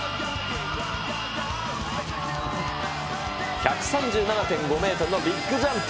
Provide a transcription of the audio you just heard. １３７．５メートルのビッグジャンプ。